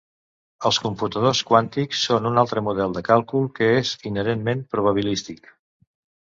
Els computadors quàntics són un altre model de càlcul que és inherentment probabilístic.